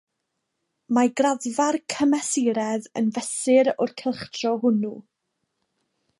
Mae graddfa'r cymesuredd yn fesur o'r cylchdro hwnnw.